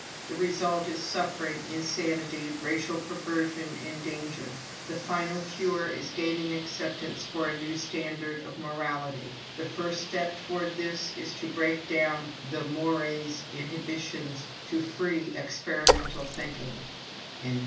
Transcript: The result is suffering, insanity, racial perversion, and danger. The final cure is gaining acceptance for a new standard of morality; the first step towards this is to break down the mores inhibitions to free experimental thinking."